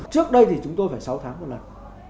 trước đây thì chúng tôi phải sáu tháng một lần